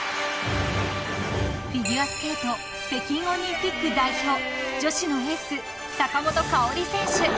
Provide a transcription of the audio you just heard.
［フィギュアスケート北京オリンピック代表女子のエース坂本花織選手］